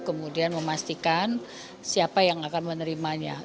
kemudian memastikan siapa yang akan menerimanya